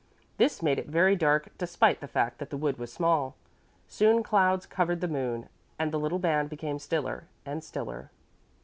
This made it very dark, despite the fact that the wood was small. Soon clouds covered the moon, and the little band became stiller and stiller.